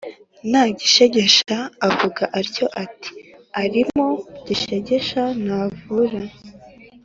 na Gishegesha akavuga atyo, ati: “Arimo Gishegesha ntavura”.